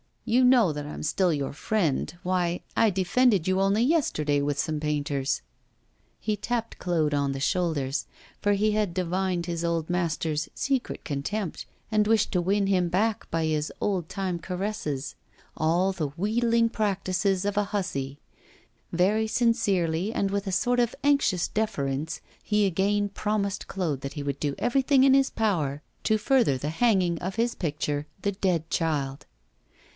You know that I'm still your friend; why, I defended you only yesterday with some painters.' He tapped Claude on the shoulders, for he had divined his old master's secret contempt, and wished to win him back by his old time caresses all the wheedling practices of a hussy. Very sincerely and with a sort of anxious deference he again promised Claude that he would do everything in his power to further the hanging of his picture, 'The Dead Child.